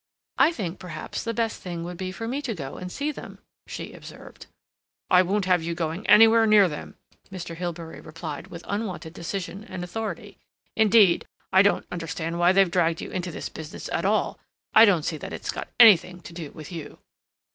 "I think, perhaps, the best thing would be for me to go and see them," she observed. "I won't have you going anywhere near them," Mr. Hilbery replied with unwonted decision and authority. "Indeed, I don't understand why they've dragged you into the business at all—I don't see that it's got anything to do with you."